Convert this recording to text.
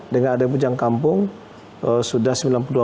dengan ada hujan kampung sudah sembilan puluh dua